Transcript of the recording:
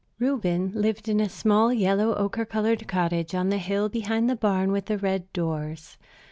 Reuben lived in a small, yellow ochre colored cottage, on the hill behind the barn with the red doors.